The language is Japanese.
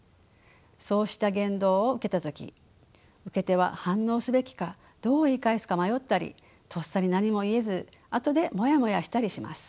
そうした言動を受けた時受け手は反応すべきかどう言い返すか迷ったりとっさに何も言えず後でモヤモヤしたりします。